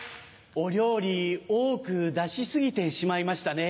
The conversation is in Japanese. お料理多く出し過ぎてしまいましたね。